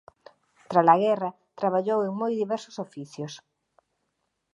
Trala guerra traballou en moi diversos oficios.